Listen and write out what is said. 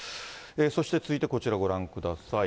そして続いてこちら、ご覧ください。